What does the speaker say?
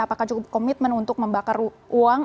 apakah cukup komitmen untuk membakar uang